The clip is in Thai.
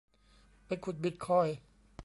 ไปขุดบิตคอยน์